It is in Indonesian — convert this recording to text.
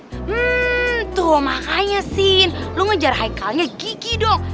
hmm tuh makanya sin lo ngejar haikalnya gigi dong